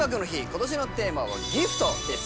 今年のテーマは「ＧＩＦＴギフト」です